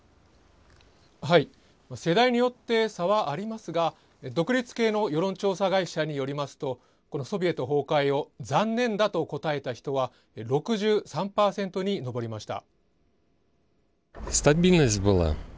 世代によって差はありますが、独立系の世論調査会社によりますと、このソビエト崩壊を残念だと答えた人は、６３％に上りました。